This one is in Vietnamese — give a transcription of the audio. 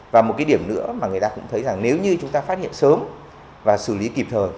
và một cái điểm nữa mà người ta cũng thấy rằng nếu như chúng ta phát hiện sớm và xử lý kịp thời